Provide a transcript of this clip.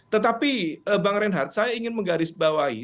tetapi bang reinhardt saya ingin menggarisbawahi